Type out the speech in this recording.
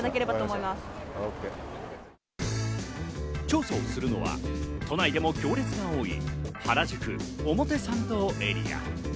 調査をするのは、都内でも行列が多い原宿・表参道エリア。